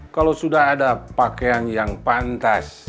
kalau sudah ada pakaian yang pantas